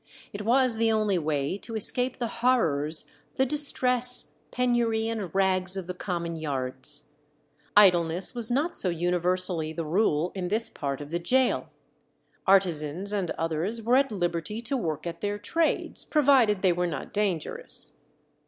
It was the only way to escape the horrors, the distress, penury, and rags of the common yards. Idleness was not so universally the rule in this part of the gaol. Artizans and others were at liberty to work at their trades, provided they were not dangerous.